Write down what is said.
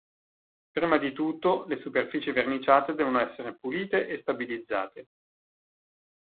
Prima di tutto, le superfici verniciate devono essere pulite e stabilizzate.